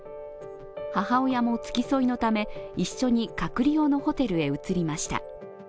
母親も付き添いのため一緒に各利用のホテルへ移りました。